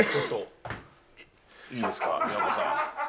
いいですか、平子さん。